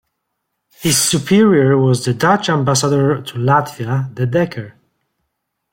His superior was the Dutch ambassador to Latvia, De Decker.